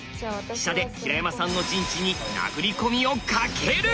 飛車で平山さんの陣地に殴り込みをかける！